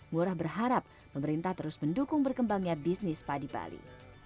ngurah berharap pemerintah terus mendukung berkembangnya bisnis spa di bali